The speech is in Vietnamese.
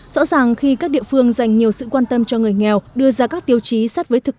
rõ ràng khi các địa phương dành nhiều sự quan tâm cho người nghèo đưa ra các tiêu chí sát với thực